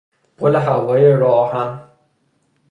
پل هوایی راه آهن